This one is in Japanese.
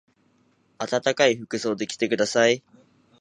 あたたかい服装で来てください。